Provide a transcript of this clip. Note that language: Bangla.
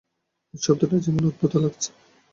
এই শব্দটা কেমন অদ্ভুত লাগছে।